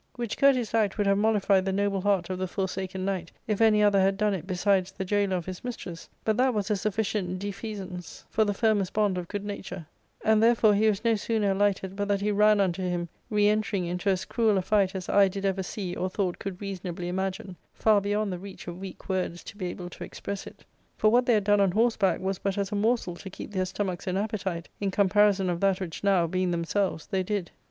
Which courteous act would have mollified the noble heart of the Forsaken Knight if any other had done it besides the jailer of his mistress ; but that was a sufficient defeasancef for the firmest bond of good nature ; and therefore he was no sooner alighted but that he ran unto him, re entering into as cruel a fight as eye did ever see or thought could reasonably imagine — far beyond the reach of weak words to be able to express it : for what they had done on horseback was but as a morsel to keep their stomachs in appetite in comparison of that which now, being them selves, they did.